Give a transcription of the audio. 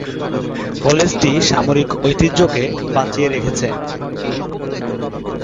কলেজটি সামরিক ঐতিহ্যকে বাঁচিয়ে রেখেছে।